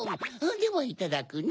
ではいただくネ。